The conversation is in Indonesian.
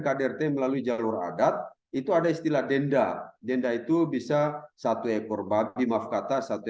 kdrt melalui jalur adat itu ada istilah denda denda itu bisa satu ekor bagi maaf kata satu